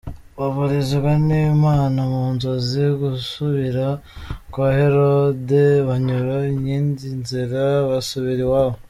Baburizwa n’Imana mu nzozi gusubira kwa Herode, banyura iyindi nzira basubira iwabo